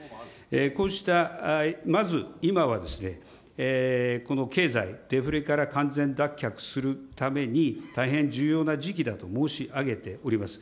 こうした、まず今はですね、経済、デフレから完全脱却するために、大変重要な時期だと申し上げております。